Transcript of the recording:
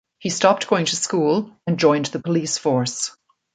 He stopped going to school and joined the police force.